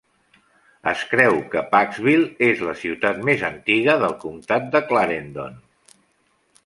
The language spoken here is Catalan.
Es creu que Paxville és la ciutat més antiga del comtat de Clarendon.